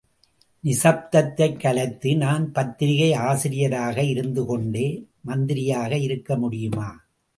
நிசப்தத்தைக் கலைத்து நான் பத்திரிகை ஆசிரியராக இருந்து கொண்டு மந்திரியாக இருக்க முடியுமா?